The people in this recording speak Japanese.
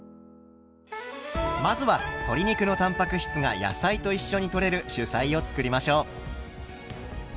まずは鶏肉のたんぱく質が野菜と一緒にとれる主菜を作りましょう。